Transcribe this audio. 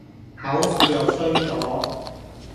考試又衰咗